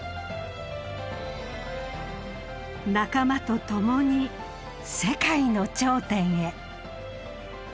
仲間とともに世界の頂点へ。